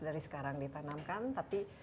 dari sekarang ditanamkan tapi